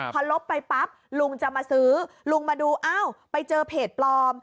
พอลบไปปั๊บลุงจะมาซื้อลุงมาดูอ้าวไปเจอเพจปลอม